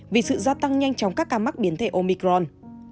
vì sự gia tăng nhanh chóng các ca mắc biến thể omicron